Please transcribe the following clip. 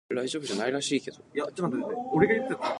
In the north chapel is one of Goodden impaling Harbin.